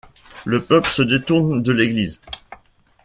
Le peuple se détourne de l'église.